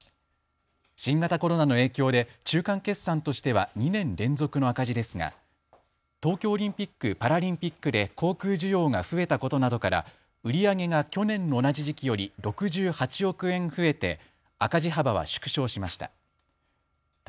新型コロナの影響で中間決算としては２年連続の赤字ですが東京オリンピック・パラリンピックで航空需要が増えたことなどから売り上げが去年の同じ時期より６８億円増えて、赤字幅は縮小しました。